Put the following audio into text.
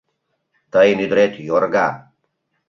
— Тыйын ӱдырет йорга!..